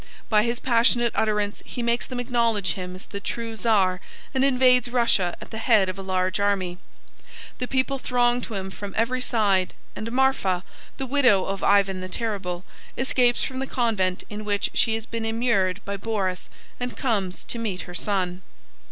By his passionate utterance he makes them acknowledge him as the true Tsar and invades Russia at the head of a large army. The people throng to him from every side, and Marfa, the widow of Ivan the Terrible, escapes from the convent in which she has been immured by Boris and comes to meet her son.